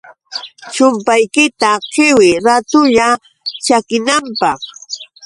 chumpaykita qiwiy raatulla chakinanpaq.